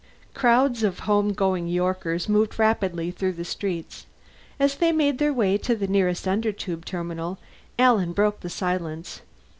Crowds of home going Yorkers moved rapidly through the streets. As they made their way to the nearest Undertube terminal, Alan broke the silence.